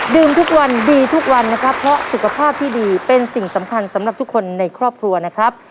ทุกวันดีทุกวันนะครับเพราะสุขภาพที่ดีเป็นสิ่งสำคัญสำหรับทุกคนในครอบครัวนะครับ